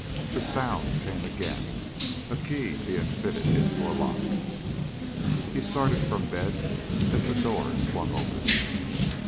The sound came again a key being fitted into a lock. He started from bed as the door swung open.